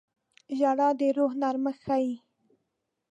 • ژړا د روح نرمښت ښيي.